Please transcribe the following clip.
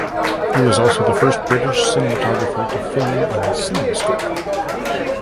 He was also the first British cinematographer to film in CinemaScope.